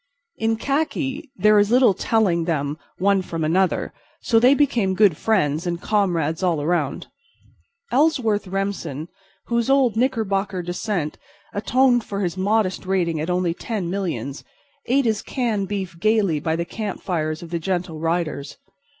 In khaki there is little telling them one from another, so they became good friends and comrades all around. Ellsworth Remsen, whose old Knickerbocker descent atoned for his modest rating at only ten millions, ate his canned beef gayly by the campfires of the Gentle Riders.